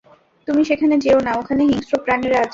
তুমি সেখানে যেয়ো না, ওখানে হিংস্র প্রাণীরা আছে।